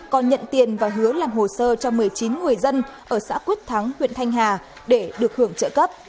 còn nhận tiền và hứa làm hồ sơ cho một mươi chín người dân ở xã quyết thắng huyện thanh hà để được hưởng trợ cấp